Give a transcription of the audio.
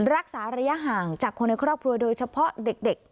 รักษาระยะห่างจากคนในครอบครัวโดยเฉพาะเด็ก